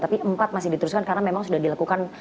tapi empat masih diteruskan karena memang sudah dilakukan